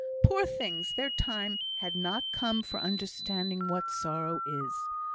Poor things; their time had not come for understanding what sorrow is.